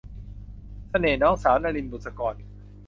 เสน่ห์น้องสาว - นลิน บุษกร